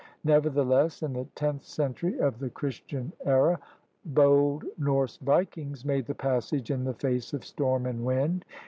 Nevertheless in the tenth century of the Christian era bold Norse vikings made the passage in the face of storm and wind.